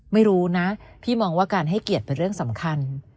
ไม่รู้นะพี่มองว่าการให้เกียรติเป็นเรื่องสำคัญ